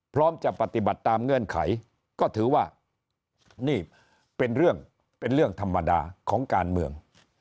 พร้อมจะปฏิบัติตามเงื่อนไขก็ถือว่านี่เป็นเรื่องเป็นเรื่องธรรมดาของการเมือง